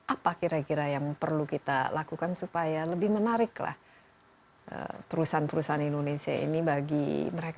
apa kira kira yang perlu kita lakukan supaya lebih menarik lah perusahaan perusahaan indonesia ini bagi mereka